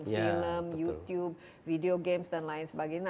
film youtube video games dan lain sebagainya